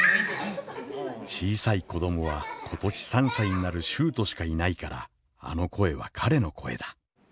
「小さい子どもは今年三歳になる秀斗しかいないからあの声は彼の声だ。